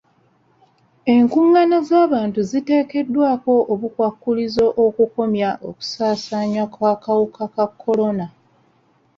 Enkungaana z'abantu ziteekeddwako obukwakkulizo okukomya okusaasaana kw'akawuka ka kolona.